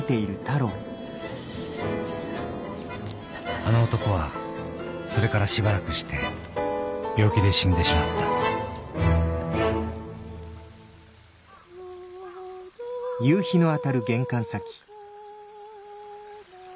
あの男はそれからしばらくして病気で死んでしまった「のどかなりや」「春の空」